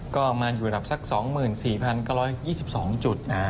ก็มาอยู่ระดับสัก๒๔๙๒๒จุด